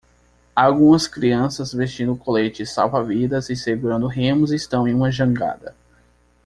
Algumas crianças vestindo coletes salva-vidas e segurando remos estão em uma jangada